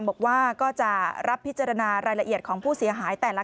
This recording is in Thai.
บอกว่าก็จะรับพิจารณารายละเอียดของผู้เสียหายแต่ละ